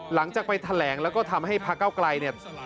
หลังจากไปแถลงแล้วก็ทำให้พระเก้าไกลเนี่ย